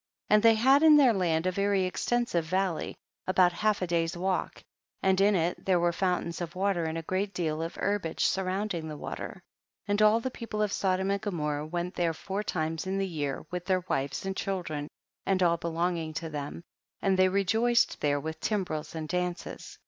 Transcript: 12. And they had in their land a very extensive valley, about half a day's walk, and in it there were fountains of water and a great deal of herbage surrounding the water. 13. And all the people of Sodom and Gomorrah went there four times in the year, with their wives and children and all belonging to them, and they rejoiced there with timbrels and dances.